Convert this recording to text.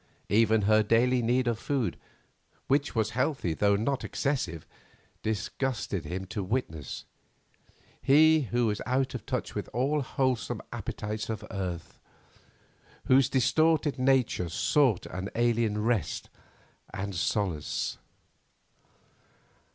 Even her daily need of food, which was healthy though not excessive, disgusted him to witness,—he who was out of touch with all wholesome appetites of earth, whose distorted nature sought an alien rest and solace.